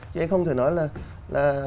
thế không thể nói là là